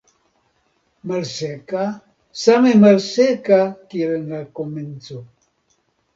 Malseka, same malseka kiel en la komenco.